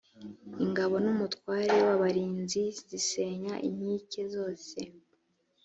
ingabo n umutware w abarinzi zisenya inkike zose